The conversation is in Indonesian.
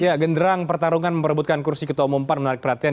ya genderang pertarungan memperebutkan kursi ketua umum pan menarik perhatian